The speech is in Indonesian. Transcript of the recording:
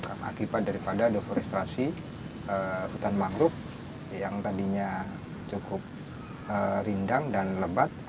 akibat daripada deforestasi hutan mangrove yang tadinya cukup rindang dan lebat